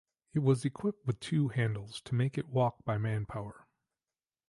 It was equipped with two handles to make it walk by manpower.